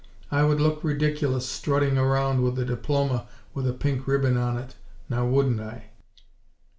I would look ridiculous strutting around with a diploma with a pink ribbon on it, now wouldn't I!"